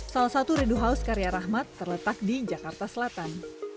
salah satu redu house karya rahmat terletak di jakarta selatan